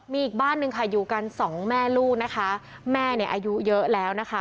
มีอีกบ้านหนึ่งค่ะอยู่กันสองแม่ลูกนะคะแม่เนี่ยอายุเยอะแล้วนะคะ